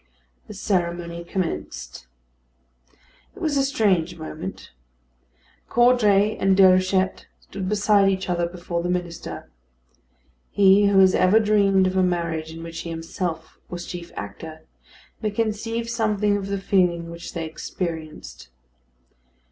The ceremony commenced. It was a strange moment. Caudray and Déruchette stood beside each other before the minister. He who has ever dreamed of a marriage in which he himself was chief actor, may conceive something of the feeling which they experienced.